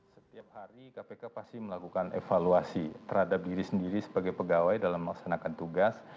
setiap hari kpk pasti melakukan evaluasi terhadap diri sendiri sebagai pegawai dalam melaksanakan tugas